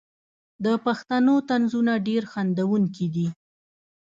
د پښتنو طنزونه ډیر خندونکي دي.